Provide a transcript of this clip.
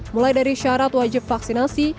mulai dari syarat wajib vaksinasi